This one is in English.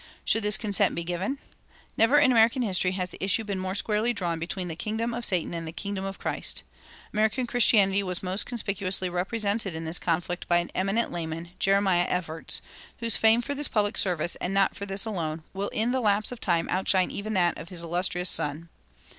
Should this consent be given? Never in American history has the issue been more squarely drawn between the kingdom of Satan and the kingdom of Christ. American Christianity was most conspicuously represented in this conflict by an eminent layman, Jeremiah Evarts, whose fame for this public service, and not for this alone, will in the lapse of time outshine even that of his illustrious son.